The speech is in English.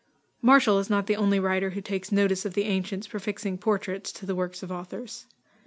_ Martial is not the only writer who takes notice of the ancients prefixing portraits to the works of authors.